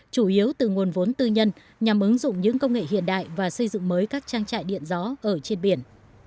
chủ yếu từ nguồn vốn tư nhân nhằm ứng dụng những công nghệ hiện đại và xây dựng mới các trang trại điện gió ở trên biển